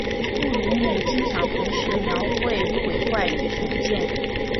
布鲁姆经常同时描绘毁坏与重建。